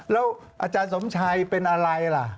แล้วอาจารย์สมชัยเป็นอะไรล่ะ